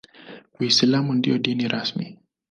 Uislamu ndio dini rasmi.